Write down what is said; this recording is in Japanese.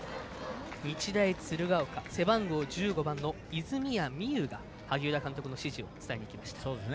日大鶴ヶ丘背番号１５番の泉谷が萩生田監督の指示を伝えに行きました。